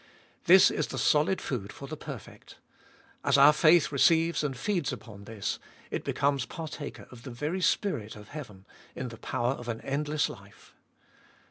This is the solid food for the perfect ; as our faith receives and feeds upon this, it becomes partaker of the very spirit of heaven, in the power of an endless life.